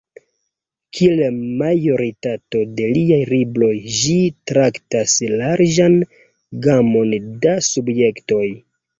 Kiel la majoritato de liaj libroj, ĝi traktas larĝan gamon da subjektoj.